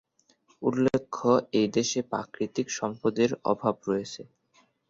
উল্লেখ্য, এই দেশে প্রাকৃতিক সম্পদের অভাব রয়েছে।